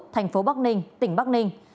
thành phố bắc ninh tỉnh bắc ninh